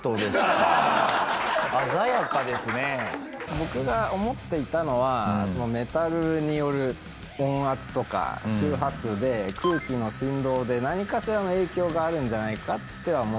僕が思っていたのはメタルによる音圧とか周波数で空気の振動で何かしらの影響があるんじゃないかっては思ってて。